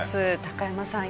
高山さん